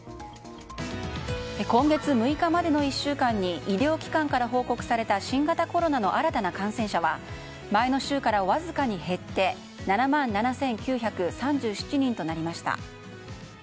今月６日までの１週間に医療機関から報告された新型コロナの新たな感染者は前の週からわずかに減って７万７９３７人となりました。